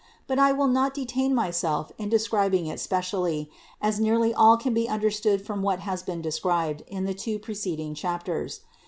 But I will not detain myself in describing it specially, as nearly all can be un derstood from what has been described in the two pre ceding chapters.